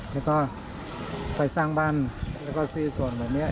แล้วก็ไปสร้างบ้านแล้วก็ซื้อส่วนแบบนี้